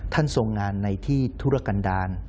ท่านทรงงานในที่ทุรกันดาล